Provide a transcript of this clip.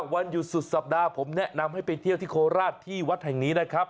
วันหยุดสุดสัปดาห์ผมแนะนำให้ไปเที่ยวที่โคราชที่วัดแห่งนี้นะครับ